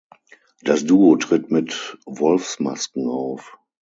Das Duo tritt mit Wolfsmasken auf.